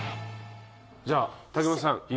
じゃあ武元さん